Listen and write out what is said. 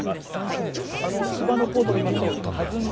芝のコートでいいますと弾んだ